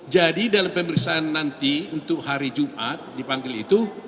jadi dalam pemeriksaan nanti untuk hari jumat dipanggil itu